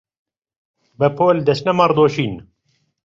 بەپۆل دەچنە مەڕدۆشین